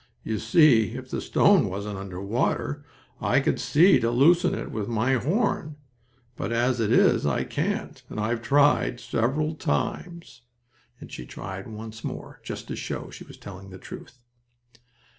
"You see if the stone wasn't under water I could see to loosen it with my horn, but as it is I can't, and I've tried several times," and she tried once more, just to show she was telling the truth.